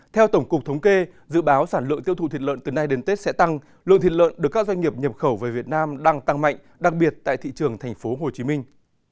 theo tổng cục thống kê dự báo sản lượng tiêu thụ thịt lợn từ nay đến tết sẽ tăng lượng thịt lợn được các doanh nghiệp nhập khẩu về việt nam đang tăng mạnh đặc biệt tại thị trường thành phố hồ chí minh